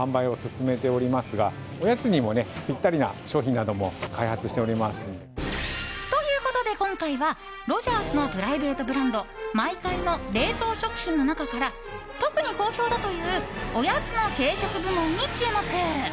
中でも最近力を入れているというのが。ということで今回はロヂャースのプライベートブランドｍｙｋａｉの冷凍食品の中から特に好評だというおやつの軽食部門に注目。